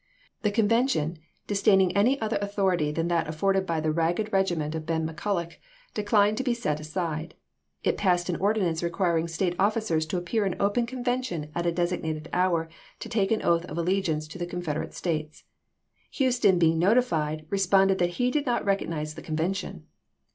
The convention, dis ^■' i' ^^^• daining any other authority than that aiforded by the ragged regiment of Ben McCulloch, declined to be set aside. It passed an ordinance requiring State officers to appear in open convention at a designated hour to take an oath of allegiance to the Confederate States. Houston being notified, responded that he did not recognize the conven tion.